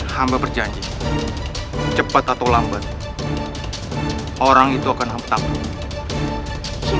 hamba berjanji cepat atau lambat orang itu akan takut